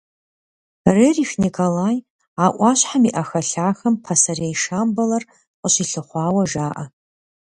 Рерих Николай а Ӏуащхьэм и Ӏэхэлъахэм пасэрей Шамбалэр къыщилъыхъуауэ жаӀэ.